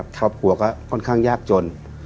ครอบครัวก็ค่อนข้างยากจน